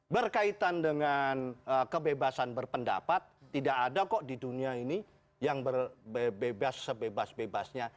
berkaitan dengan kebebasan berpendapat tidak ada kok di dunia ini yang berbebas sebebas bebasnya